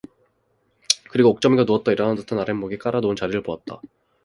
그리고 옥점이가 누웠다 일어난 듯한 아랫목에 깔아 놓은 자리를 보았다.